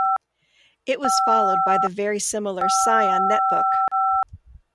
It was followed by the very similar Psion netBook.